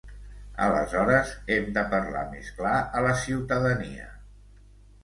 Aleshores, hem de parlar més clar a la ciutadania.